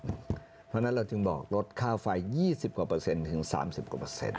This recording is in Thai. เพราะฉะนั้นเราจึงบอกลดค่าไฟ๒๐กว่า๑๓